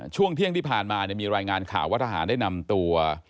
ช่วงเที่ยงที่ผ่านมามีรายงานข่าวว่าทหารได้นำตัว